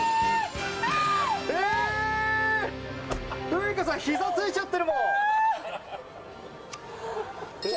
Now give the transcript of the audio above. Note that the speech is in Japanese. ウイカさん、膝ついちゃってるもん。